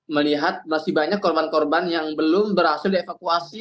melihat masih banyak korban korban yang belum berhasil dievakuasi